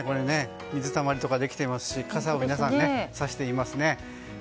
水たまりとかできていますし傘も、皆さんさしていますね。